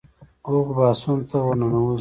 هغو بحثونو ته ورننوځو.